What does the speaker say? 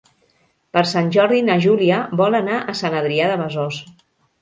Per Sant Jordi na Júlia vol anar a Sant Adrià de Besòs.